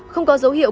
không có dấu hiệu